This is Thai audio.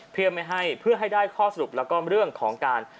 เพื่อให้ได้ข้อสรุปและเรื่องของการ